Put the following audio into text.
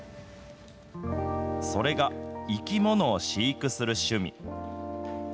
それが生き物を飼育する趣味。